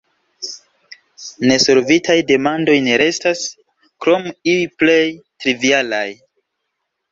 Nesolvitaj demandoj ne restas, krom iuj plej trivialaj.